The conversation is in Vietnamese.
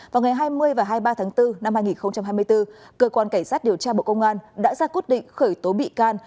vào ngày hai mươi và hai mươi ba tháng bốn năm hai nghìn hai mươi bốn cơ quan cảnh sát điều tra bộ công an đã ra quyết định khởi tố bị can